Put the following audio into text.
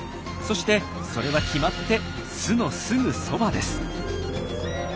そしてそれは決まって巣のすぐそばです。